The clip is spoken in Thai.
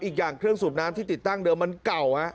อีกอย่างเครื่องสูบน้ำที่ติดตั้งเดิมมันเก่าฮะ